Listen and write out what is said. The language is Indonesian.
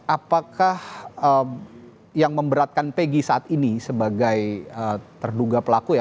apakah yang memberatkan pegi saat ini sebagai terduga pelaku ya